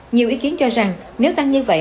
nhiều ý kiến cho rằng nếu tăng như vậy